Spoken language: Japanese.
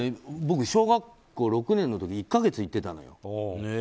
僕、小学校６年の時１か月行ってたのよ。